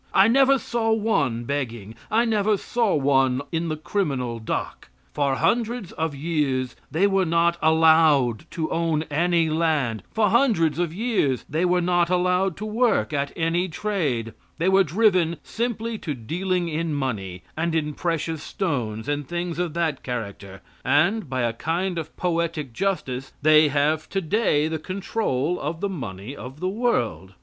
I never saw one begging. I never saw one in the criminal dock. For hundreds of years they were not allowed to own any land, for hundreds of years they were not allowed to work at any trade; they were driven simply to dealing in money, and in precious stones, and things of that character, and, by a kind of poetic justice, they have today the control of the money of the world.